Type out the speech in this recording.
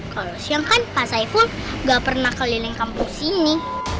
kalau siang kan pak saiful nggak pernah keliling kampung sini